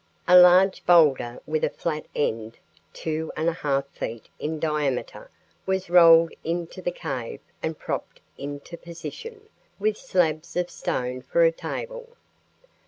A large boulder with a flat end two and a half feet in diameter was rolled into the cave and propped into position, with slabs of stone for a table.